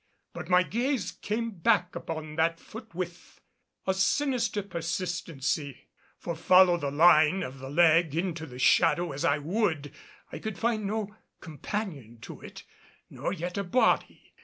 But my gaze came back upon that foot with a sinister persistency. For follow the line of the leg into the shadow as I would I could find no companion to it, nor yet a body.